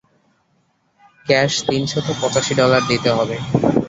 Cash তিনশত পঁচাশি dollar দিতে হবে।